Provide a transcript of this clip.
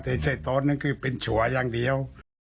แต่ใช่ตอนนั้นคือเป็นฉัวอย่างเดียว